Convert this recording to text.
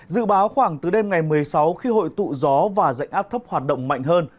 dự báo khoảng từ đêm ngày một mươi sáu khi hội tụ gió và dạnh áp thấp hoạt động mạnh hơn